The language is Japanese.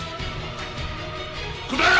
答えろ！